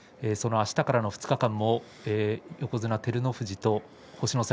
あしたからの２日間横綱照ノ富士と星の差